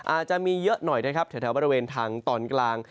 อาจจะมีเยอะหน่อยนะครับแถวบริเวณทางตอนกลาง